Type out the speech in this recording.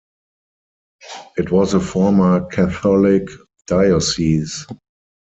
It was a former Catholic diocese.